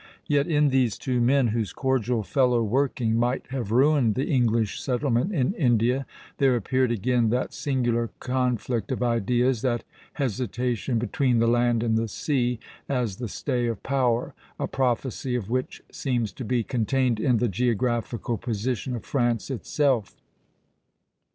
Yet in these two men, whose cordial fellow working might have ruined the English settlement in India, there appeared again that singular conflict of ideas, that hesitation between the land and the sea as the stay of power, a prophecy of which seems to be contained in the geographical position of France itself.